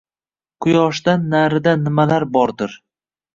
Quyoshdan narida nimalar bordir?!”